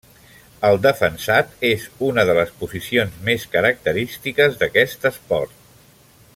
El defensat és una de les posicions més característiques d'aquest esport.